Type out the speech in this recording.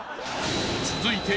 ［続いて］